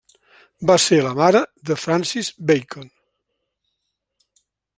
Va ser la mare de Francis Bacon.